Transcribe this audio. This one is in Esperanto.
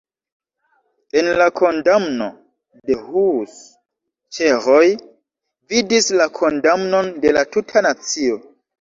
En la kondamno de Hus ĉeĥoj vidis la kondamnon de la tuta nacio.